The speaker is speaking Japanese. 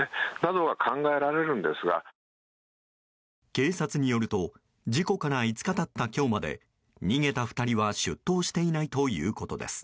警察によると事故から５日経った今日まで逃げた２人は出頭していないということです。